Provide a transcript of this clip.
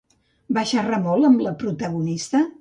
Va xerrar molt amb la protagonista?